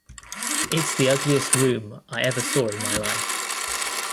It's the ugliest room I ever saw in my life.